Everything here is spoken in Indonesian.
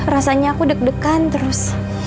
rasanya aku deg degan terus